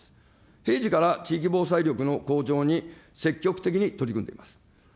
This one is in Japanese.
平時から地域防災力の向上に積極的に取り組んでいます。